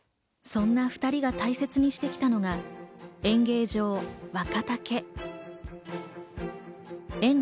そんな２人が大切にしてきたのが演芸場・若竹。